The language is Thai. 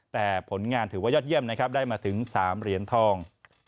แต่ผลงานถือว่ายอดเยี่ยมนะครับได้มาถึง๓เหรียญทอง